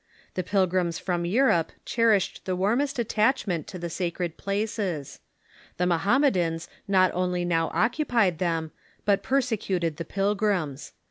The pilgrims from Europe cherished the warmest attachment to the sacred places. The Mohammedans not only now occupied them, but persecuted the pilgrims.